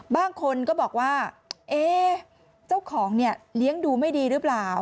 บางคนก็บอกว่าเอ๊ะเจ้าของเนี่ยเลี้ยงดูไม่ดีหรือเปล่า